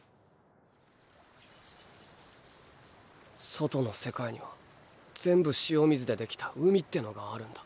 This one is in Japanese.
外の世界には全部塩水でできた“海”ってのがあるんだ。